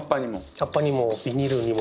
葉っぱにもビニールにも。